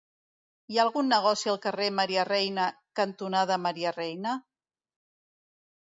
Hi ha algun negoci al carrer Maria Reina cantonada Maria Reina?